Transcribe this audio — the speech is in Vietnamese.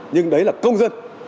nhưng đấy là công dân